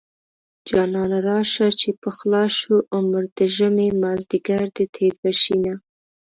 جانانه راشه چې پخلا شو عمر د ژمې مازديګر دی تېر به شينه